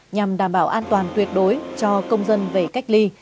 nhằm đảm bảo an toàn tuyệt đối cho công dân về cách ly